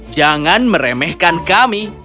jangan meremehkan kami